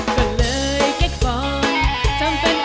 ก็เลยแค่ฝอนทำเป็น